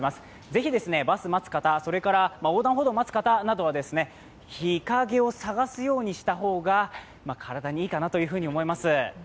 ぜひバスを待つ方、横断歩道を待つ方は日陰を探すようにした方が体にいいかなと思います。